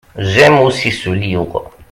j'aime aussi ce livre.